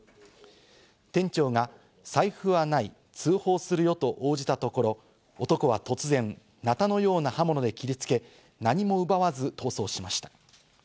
店長が、財布はない、通報するよと応じたところ、男は突然、なたのような刃物で切りつけ、何も奪わず逃走しました。